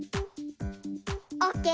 オッケー。